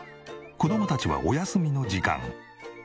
子供たちはお休みの時間。